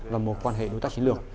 và một quan hệ đối tác chiến lược